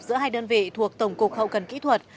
giữa hai đơn vị thuộc tổng cục hậu cần kỹ thuật